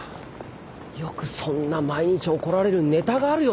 よくそんな毎日怒られるネタがあるよな。